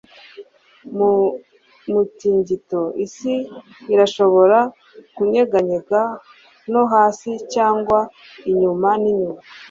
mu mutingito, isi irashobora kunyeganyega no hasi, cyangwa inyuma n'inyuma